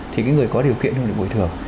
thì cái người có điều kiện hơn thì bồi thường